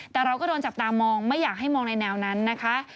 แต่เราก็โดนจับตามองไม่อยากให้มองในแนวนั้นนะคะ